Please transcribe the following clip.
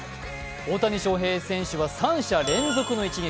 大谷翔平選手は三者連続の一撃。